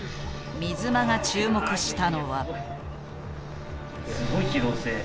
水間が注目したのは。